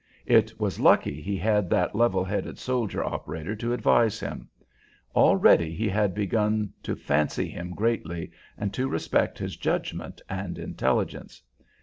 It was lucky he had that level headed soldier operator to advise him. Already he had begun to fancy him greatly, and to respect his judgment and intelligence.